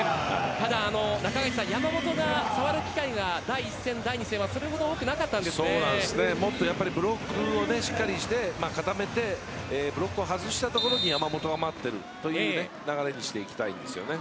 ただ山本が触る機会が第１戦、第２戦はもっとブロックをしっかりして固めてブロックを外したところに山本が待っているという流れにしたいんですよね。